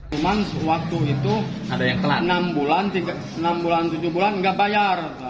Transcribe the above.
cuman waktu itu enam bulan tujuh bulan nggak bayar